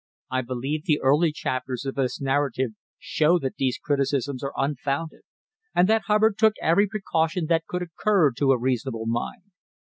I believe the early chapters of this narrative show that these criticisms are unfounded, and that Hubbard took every precaution that could occur to a reasonable mind.